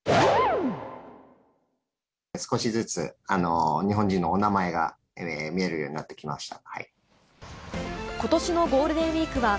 少しずつ日本人のお名前が見えるようになってきました。